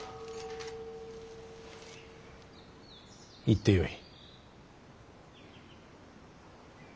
行ってよい。